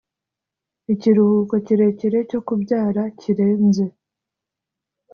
ikiruhuko kirekire cyo kubyara kirenze